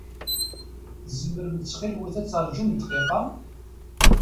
Tzemrem ttxil-wet ad taṛǧum dqiqa?